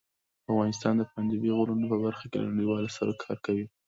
افغانستان د پابندي غرونو په برخه کې له نړیوالو سره کار کوي.